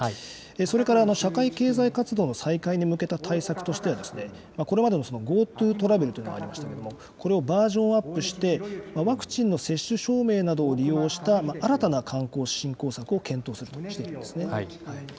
それから社会経済活動の再開に向けた対策としてはですね、これまでのＧｏＴｏトラベルというのがありましたけれども、これをバージョンアップして、ワクチンの接種証明などを利用した新たな観光振興策を検討するとしています。